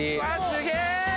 すげえ！